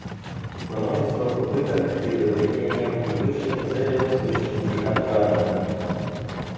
Множество попыток к изобретениям и высшим целям, в сущности, отрадно.